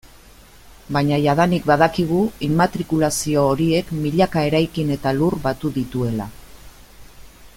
Baina jadanik badakigu immatrikulazio horiek milaka eraikin eta lur batu dituela.